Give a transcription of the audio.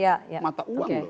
dua mata uang